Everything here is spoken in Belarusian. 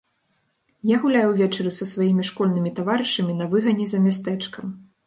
Я гуляю ўвечары са сваімі школьнымі таварышамі па выгане за мястэчкам.